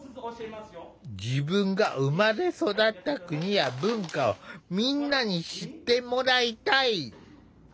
自分が生まれ育った国や文化をみんなに知ってもらいたい。